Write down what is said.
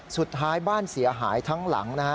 สุดท้ายบ้านเสียหายทั้งหลังนะฮะ